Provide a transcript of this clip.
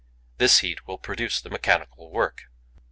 This heat will produce mechanical work.